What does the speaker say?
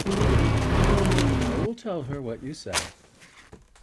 I will tell her what you say.